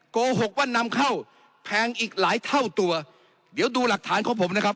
โกหกว่านำเข้าแพงอีกหลายเท่าตัวเดี๋ยวดูหลักฐานของผมนะครับ